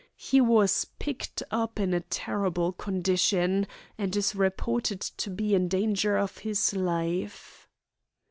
He was picked up in a terrible condition, and is reported to be in danger of his life."